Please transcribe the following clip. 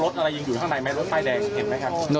อะไรยังอยู่ข้างในไหมรถป้ายแดงเห็นไหมครับ